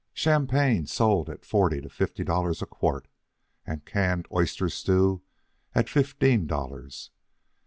Champagne sold at from forty to fifty dollars a quart, and canned oyster stew at fifteen dollars.